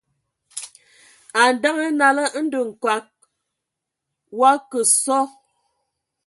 A ndǝŋə hm nala, ndɔ Nkɔg o akǝ sɔ,